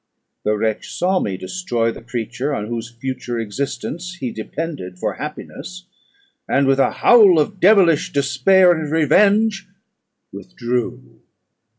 The wretch saw me destroy the creature on whose future existence he depended for happiness, and, with a howl of devilish despair and revenge, withdrew.